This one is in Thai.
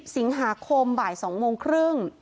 สิงหาคมบ่าย๒โมงครึ่ง